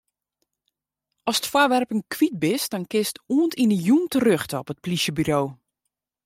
Ast foarwerpen kwyt bist, dan kinst oant yn 'e jûn terjochte op it plysjeburo.